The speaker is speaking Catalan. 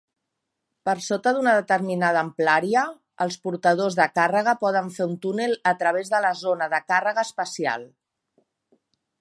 Per sota d'una determinada amplària, els portadors de càrrega poden fer un túnel a través de la zona de càrrega espacial.